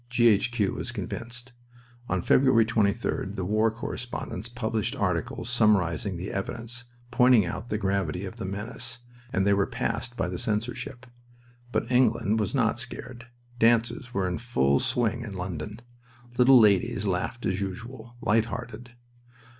G.H.Q. was convinced. On February 23d the war correspondents published articles summarizing the evidence, pointing out the gravity of the menace, and they were passed by the censorship. But England was not scared. Dances were in full swing in London. Little ladies laughed as usual, light hearted.